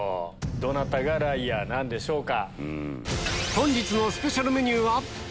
どなたがライアーなんでしょうか。